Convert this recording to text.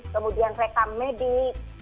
kemudian rekam medik